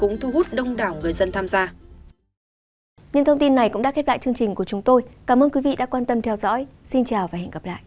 nhưng đảo người dân tham gia